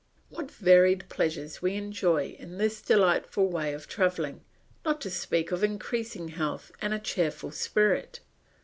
What varied pleasures we enjoy in this delightful way of travelling, not to speak of increasing health and a cheerful spirit.